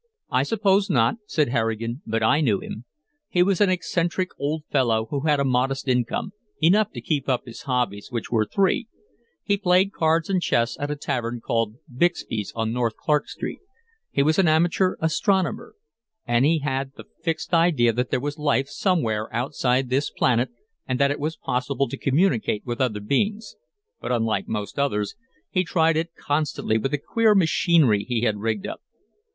"I suppose not," said Harrigan. "But I knew him. He was an eccentric old fellow who had a modest income enough to keep up his hobbies, which were three: he played cards and chess at a tavern called Bixby's on North Clark Street; he was an amateur astronomer; and he had the fixed idea that there was life somewhere outside this planet and that it was possible to communicate with other beings but unlike most others, he tried it constantly with the queer machinery he had rigged up.